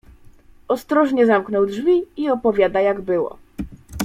Ostrożnie zamknął drzwi i opowiada, jak było.